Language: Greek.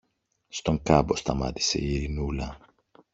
Στον κάμπο σταμάτησε η Ειρηνούλα.